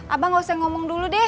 abang gak usah ngomong dulu deh